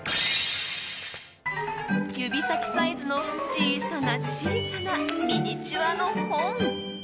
指先サイズの小さな小さなミニチュアの本。